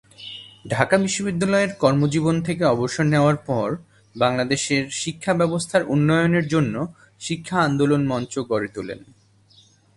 ঢাকা বিশ্ববিদ্যালয়ের কর্মজীবন থেকে অবসর নেওয়ার পর বাংলাদেশের শিক্ষা ব্যবস্থার উন্নয়নের জন্য শিক্ষা আন্দোলন মঞ্চ গড়ে তোলেন।